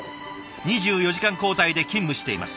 ２４時間交代で勤務しています。